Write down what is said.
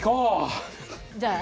じゃあ。